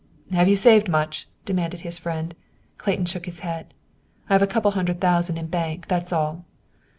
"Have you saved much?" demanded his friend. Clayton shook his head. "I have a couple of thousand in bank, that's all."